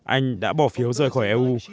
anh đã bỏ phiếu rời khỏi eu